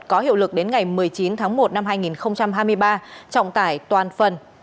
có hiệu lực đến ngày một mươi chín tháng một năm hai nghìn hai mươi ba trọng tải toàn phần